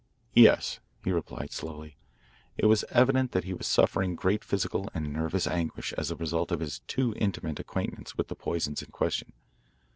"Yes," he replied slowly. It was evident that he was suffering great physical and nervous anguish as the result of his too intimate acquaintance with the poisons in question.